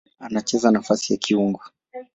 Anacheza nafasi ya kiungo.